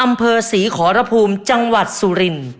อำเภอศรีขอรภูมิจังหวัดสุริน